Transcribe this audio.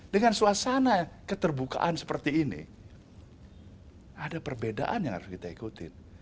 dengan suasana keterbukaan seperti ini ada perbedaan yang harus kita ikutin